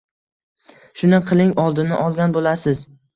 Suni qiling, oldini olgan bolasiz.